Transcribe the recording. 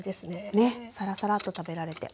ねサラサラッと食べられて。